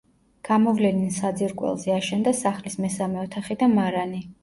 გამოვლენილ საძირკველზე აშენდა სახლის მესამე ოთახი და მარანი.